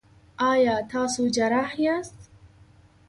ایا تاسو جراح یاست؟